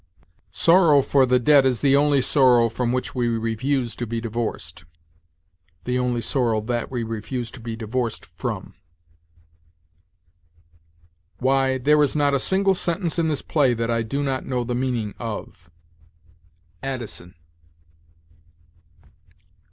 "'Sorrow for the dead is the only sorrow from which we refuse to be divorced': 'the only sorrow (that) we refuse to be divorced from.' "'Why, there is not a single sentence in this play that I do not know the meaning of.' Addison.